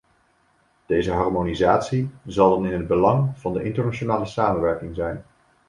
Deze harmonisatie zal dan in het belang van de internationale samenwerking zijn.